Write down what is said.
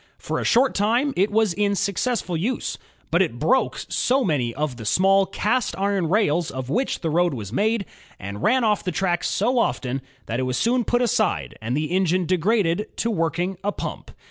For a short time it was in successful use. But it broke so many of the small cast iron rails of which the road was made, and ran off the track so often, that it was soon put aside and the engine degraded to working a pump.